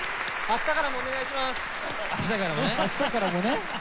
明日からもね。